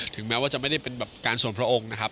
แม้ว่าจะไม่ได้เป็นแบบการส่วนพระองค์นะครับ